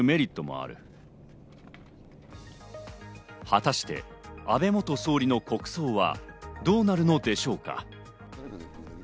果たして安倍元総理の国葬はどうなるのでしょうか？